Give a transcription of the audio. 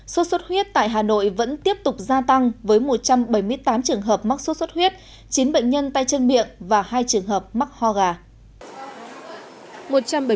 sốt xuất huyết tại hà nội vẫn tiếp tục gia tăng với một trăm bảy mươi tám trường hợp mắc sốt xuất huyết chín bệnh nhân tay chân miệng và hai trường hợp mắc ho gà